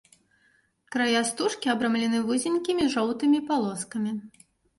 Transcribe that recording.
Края стужкі абрамлены вузенькімі жоўтымі палоскамі.